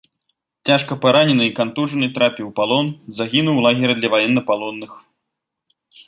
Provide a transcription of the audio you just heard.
Цяжка паранены і кантужаны трапіў у палон, загінуў у лагеры для ваеннапалонных.